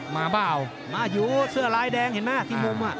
มาอยู่เสื้อลายแดงเห็นมั้ยที่มุม